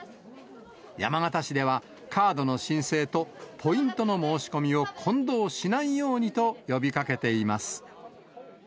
山形市では、カードの申請とポイントの申し込みを混同しないようにと呼びかけています。